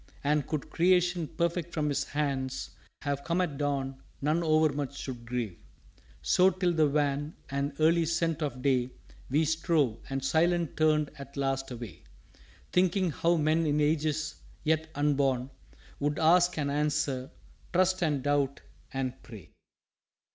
And could Creation perfect from his hands Have come at Dawn, none overmuch should grieve." So till the wan and early scent of day We strove, and silent turned at last away, Thinking how men in ages yet unborn Would ask and answer trust and doubt and pray.